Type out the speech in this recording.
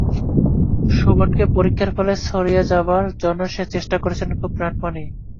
শোভনকে পরীক্ষার ফলে ছাড়িয়ে যাবার জন্যে সে চেষ্টা করেছিল খুব প্রাণপণেই।